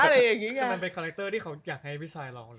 แต่มันเป็นคาแรคเตอร์ที่เขาอยากให้พี่ไซ่ลอง